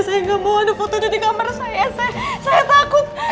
saya gak mau ada foto di kamar saya saya takut saya takut dokter